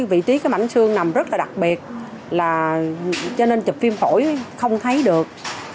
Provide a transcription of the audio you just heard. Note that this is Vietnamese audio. vị trí mảnh xương nằm rất đặc biệt cho nên chụp phim phổi không thấy được